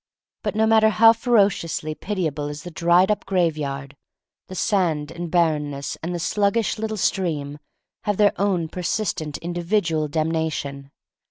But no matter how ferociously piti able is the dried up graveyard, the sand and barrenness and the sluggish little stream have their own persistent indi vidual damnation.